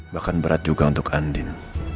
bahkan berat juga untuk andin